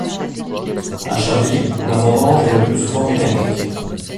À Chablis, la vendange est le plus souvent mécanique.